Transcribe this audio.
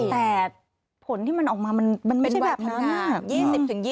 แต่ผลที่มันออกมามันเป็นแบบนั้น